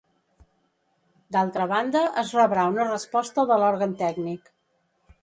D'altra banda, es rebrà una resposta de l'òrgan tècnic.